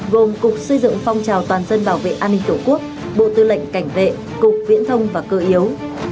gồm cục xây dựng phong trào toàn dân bảo vệ an ninh tổ quốc bộ tư lệnh cảnh vệ cục viễn thông và cơ yếu